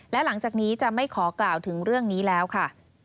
และหลังจากนี้จะไม่ขอกล่าวถึงเรื่องนี้แล้วค่ะ